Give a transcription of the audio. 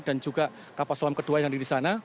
dan juga kapal selam kedua yang diri sana